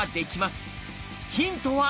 ヒントは。